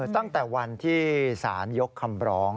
ตั้งแต่วันที่สารยกคำร้อง